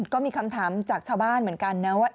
ก็มีคำถามจากชาวบ้านเหมือนกันนะว่า